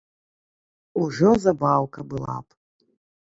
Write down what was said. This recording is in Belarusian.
Ужо забаўка была б!